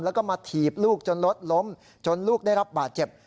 แล้วก็มาถีบลูกจนรถล้มจนลูกได้รับบาดเจ็บ